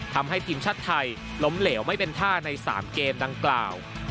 ทำให้ทีมชาติไทยล้มเหลวไม่เป็นท่าใน๓เกมดังกล่าว